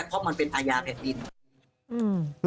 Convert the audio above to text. เพราะมันเป็นอาญาแผ่นดิน